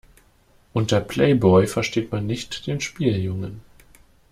Unter Playboy versteht man nicht den Spieljungen.